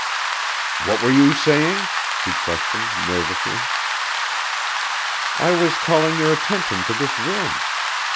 "What were you saying?" he questioned nervously. "I was calling your attention to this room.